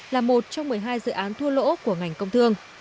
là một trong một mươi hai dự án thua lỗ của ngành công thương